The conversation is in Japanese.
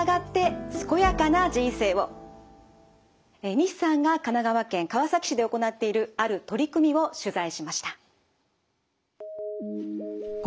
西さんが神奈川県川崎市で行っているある取り組みを取材しました。